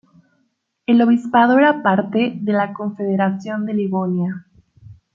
El Obispado era parte de la Confederación de Livonia.